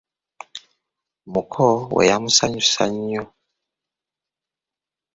Muko we yamusanyusa nnyo.